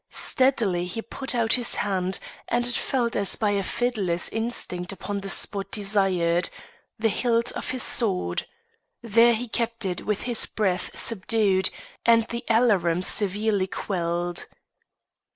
Stealthily he put out his hand, and it fell as by a fiddler's instinct upon the spot desired the hilt of his sword. There he kept it with his breath subdued, and the alarum severely quelled.